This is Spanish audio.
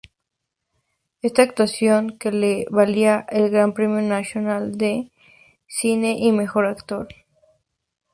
Esta actuación que le valió el Gran Premio Nacional de Cine y Mejor Actor.